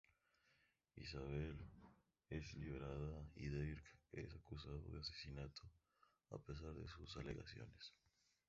Isabelle es liberada y Dirk es acusado del asesinato a pesar de sus alegaciones.